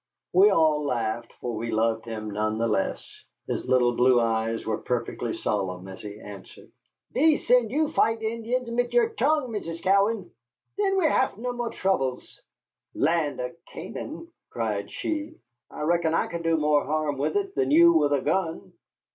We all laughed, for we loved him none the less. His little blue eyes were perfectly solemn as he answered: "Ve send you fight Injuns mit your tongue, Mrs. Cowan. Then we haf no more troubles." "Land of Canaan!" cried she, "I reckon I could do more harm with it than you with a gun."